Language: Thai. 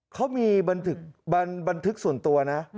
เขามีบันทึกส่วนตัวนะ